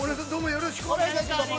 ◆よろしくお願いします。